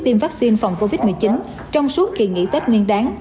tiêm vaccine phòng covid một mươi chín trong suốt kỳ nghỉ tết nguyên đáng